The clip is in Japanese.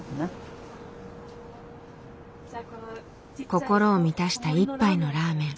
心を満たした一杯のラーメン。